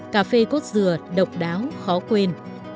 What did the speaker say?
cà phê cốt dừa độc đáo khó quên